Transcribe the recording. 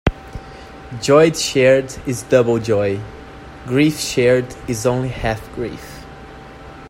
Joy shared is double joy; grief shared is only half grief.